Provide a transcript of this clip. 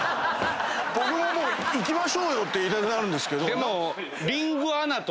僕ももう行きましょうよって言いたくなるんですけど。